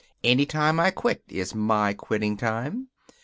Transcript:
"Any time I quit is my quitting time.